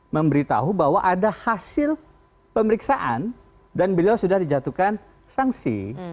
memberitahu bahwa ada hasil pemeriksaan dan beliau sudah dijatuhkan sanksi